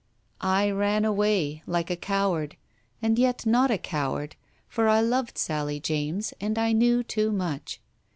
I ran away, like a coward, and yet not a coward, for I loved Sally James and I knew too much.